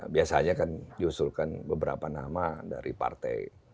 biasanya kan diusulkan beberapa nama dari partai